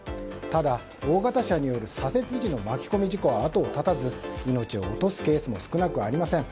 ただ、大型車による左折時の巻き込み事故は後を絶たず、命を落とすケースも少なくありません。